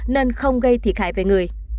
nên không gây thiệt hại về người